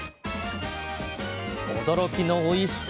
驚きのおいしさ！